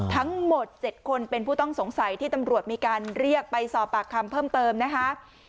ทั้งหมด๗คนเป็นผู้ต้องสงสัยที่ตำรวจมีการเรียกไปสอบปากคำเพิ่มเติมนะคะ